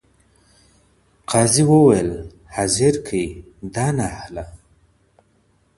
قاضي و ویل حاضر کئ دا نا اهله